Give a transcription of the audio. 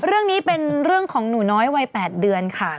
เรื่องนี้เป็นเรื่องของหนูน้อยวัย๘เดือนค่ะ